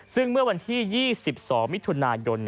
ซึ่งเมื่อวันที่๒๒มิถุนายน